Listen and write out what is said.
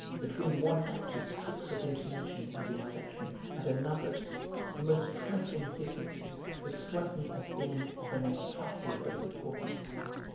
Between one actor's tricks of intonation and inflection and another's, the most trifling differences would strike me as being of an incalculable importance.